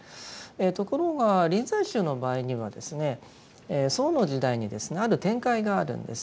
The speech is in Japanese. ところが臨済宗の場合にはですね宋の時代にですねある展開があるんです。